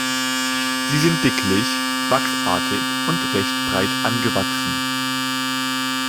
Sie sind dicklich, wachsartig und recht breit angewachsen.